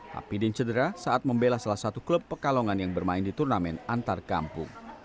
hapidin cedera saat membela salah satu klub pekalongan yang bermain di turnamen antar kampung